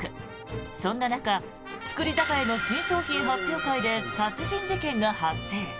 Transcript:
そんな中造り酒屋の新商品発表会で殺人事件が発生。